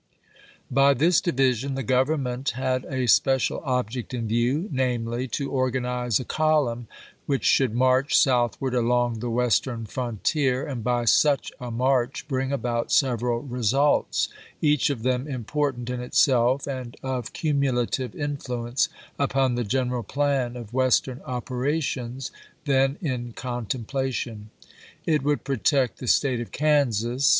By this division the Government had a iii., p. 567.' special object in view, namely, to organize a col umn which should march southward along the Western frontier, and by such a march bring about several results, each of them important in itself and of cumulative influence upon the general plan of Western operations then in contemplation. It would protect the State of Kansas.